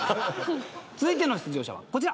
続いての出場者はこちら。